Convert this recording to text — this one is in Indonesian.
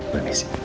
boleh pak isi